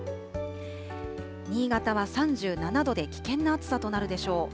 新潟は３７度で危険な暑さとなるでしょう。